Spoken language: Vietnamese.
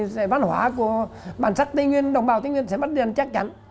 dù không có thì văn hóa của bản sắc tây nguyên đồng bào tây nguyên sẽ mất đi chắc chắn